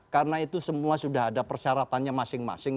karena itu semua sudah ada persyaratannya masing masing